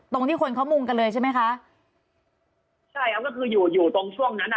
ที่คนเขามุงกันเลยใช่ไหมคะใช่ครับก็คืออยู่อยู่ตรงช่วงนั้นอ่ะ